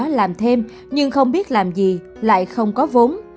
tôi đã làm thêm nhưng không biết làm gì lại không có vốn